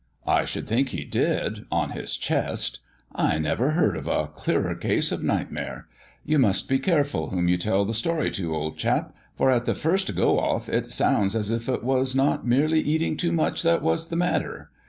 I should think he did on his chest. I never heard of a clearer case of nightmare. You must be careful whom you tell the story to, old chap; for at the first go off it sounds as if it was not merely eating too much that was the matter.